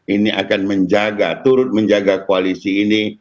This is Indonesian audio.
ini akan menjaga turut menjaga koalisi ini